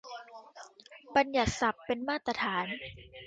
บัญญัติศัพท์เป็นมาตรฐาน